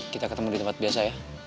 kita ketemu di tempat biasa ya